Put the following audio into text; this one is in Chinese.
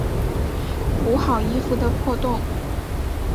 补好衣服的破洞